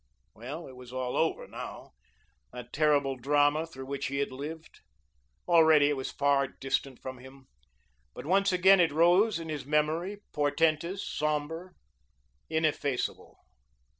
Well, it was all over now, that terrible drama through which he had lived. Already it was far distant from him; but once again it rose in his memory, portentous, sombre, ineffaceable.